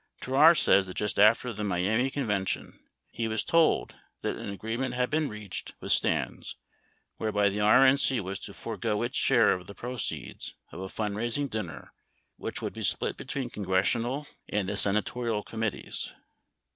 Terrar says that just after the Miami convention, he was told that an agreement had been reached with Stans whereby the RNC was to forego its share of the proceeds of a fundraising dinner which would be split between congressional and the senatorial committees.